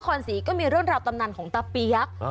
ศรีก็มีเรื่องราวตำนานของตาเปี๊ยก